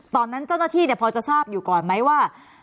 ตอนนั้นเจ้าหน้าที่พอจะทราบอยู่ก่อนไหมว่า